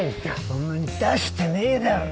そんなに出してねえだろ。